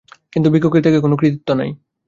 কিন্তু ভিক্ষুকের ত্যাগে কোন কৃতিত্ব নাই।